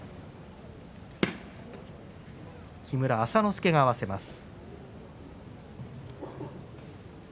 木村朝之助が合わせます。